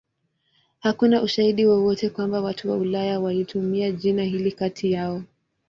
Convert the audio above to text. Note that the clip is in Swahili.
Hakuna ushahidi wowote kwamba watu wa Ulaya walitumia jina hili kati yao.